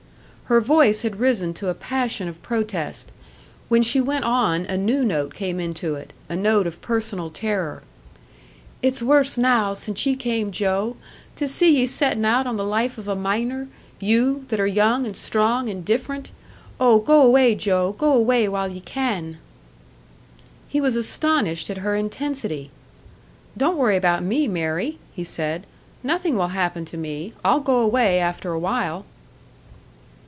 Her voice had risen to a passion of protest; when she went on a new note came into it a note of personal terror. "It's worse now since you came, Joe! To see ye settin' out on the life of a miner you, that are young and strong and different. Oh, go away, Joe, go away while ye can!" He was astonished at her intensity. "Don't worry about me, Mary," he said. "Nothing will happen to me. I'll go away after a while."